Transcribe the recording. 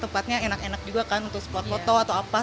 tempatnya enak enak juga kan untuk spot foto atau apa